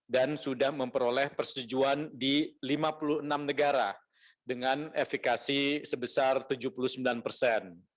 sudah memperoleh persetujuan di lima puluh enam negara dengan efikasi sebesar tujuh puluh sembilan persen